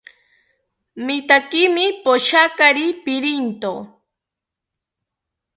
Mitaakimi poshiakari pirinto